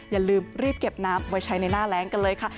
อย่าลืมรีบเก็บน้ำไว้ใช้ในหน้าแรงกันเลยค่ะ